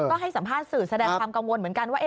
ก็ให้สัมภาษณ์สื่อแสดงความกังวลเหมือนกันว่า